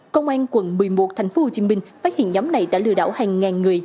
công an quận một mươi một tp hcm phát hiện nhóm này đã lừa đảo hàng ngàn người